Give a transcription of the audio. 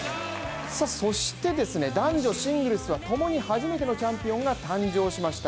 そして男女シングルスは共に初めてのチャンピオンが誕生しました。